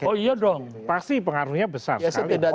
oh iya dong pasti pengaruhnya besar sekali